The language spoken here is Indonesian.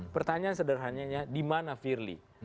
pertanyaan sederhananya di mana firly